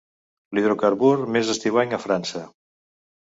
L'hidrocarbur més estiuenc a França.